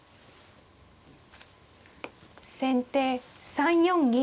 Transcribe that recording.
先手３四銀。